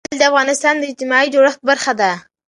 لعل د افغانستان د اجتماعي جوړښت برخه ده.